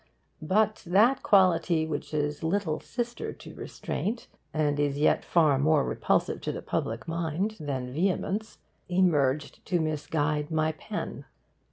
But that quality which is little sister to restraint, and is yet far more repulsive to the public mind than vehemence, emerged to misguide my pen.